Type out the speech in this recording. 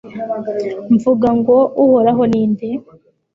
mvuga ngo «Uhoraho ni nde»